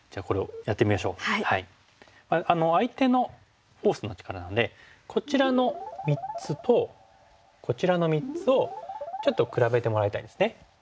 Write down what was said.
相手のフォースの力なんでこちらの３つとこちらの３つをちょっと比べてもらいたいんですね。